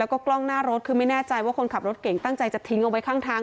แล้วก็กล้องหน้ารถคือไม่แน่ใจว่าคนขับรถเก่งตั้งใจจะทิ้งเอาไว้ข้างทาง